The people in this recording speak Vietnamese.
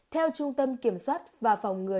theo trung tâm kiểm soát và phòng ngừa